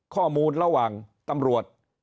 ข้อมูลระหว่างตำรวจ